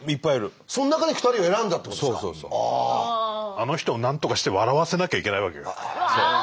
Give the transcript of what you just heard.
あの人をなんとかして笑わせなきゃいけないわけよ。